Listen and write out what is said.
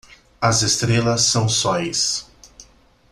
As estrelas são sóis.